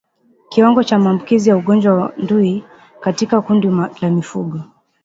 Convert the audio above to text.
Kiwango cha maambukizi ya ugonjwa wa ndui katika kundi la mifugo